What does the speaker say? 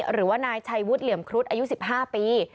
หรือว่านายชัยวุฒิเหลี่ยมครุฑอายุ๑๕ปี